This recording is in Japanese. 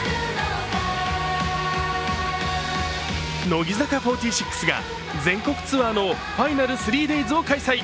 乃木坂４６が全国ツアーのフィナル３Ｄａｙｓを開催。